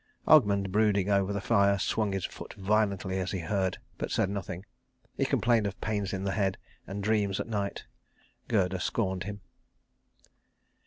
Ogmund, brooding over the fire, swung his foot violently as he heard, but said nothing. He complained of pains in the head, and dreams at night. Gerda scorned him.